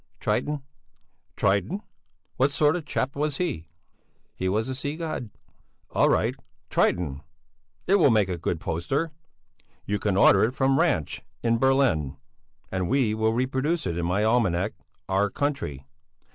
"Triton." "Triton? What sort of a chap was he?" "He was a sea god." "All right, Triton. It will make a good poster! You can order it from Ranch in Berlin, and we will reproduce it in my almanac 'Our Country.'